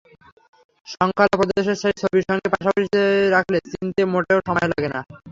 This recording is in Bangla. শংখলা প্রদেশের সেই ছবির সঙ্গে পাশাপাশি রাখলে চিনতে মোটেও সময় লাগে না।